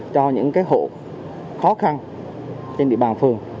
cho những hộ khó khăn trên địa bàn phường